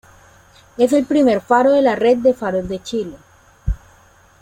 Es el primer faro de la red de Faros de Chile.